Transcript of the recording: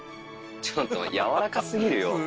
ちょっとやわらか過ぎるよ。